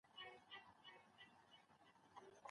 هيڅوک نسي کولای له سياست څخه وتښتي.